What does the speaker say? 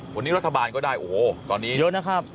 วันนี้รัฐบาลก็ได้โอ้โหตอนนี้เยอะนะครับ